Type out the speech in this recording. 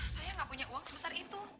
saya nggak punya uang sebesar itu